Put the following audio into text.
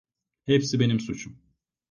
Hepsi benim suçum.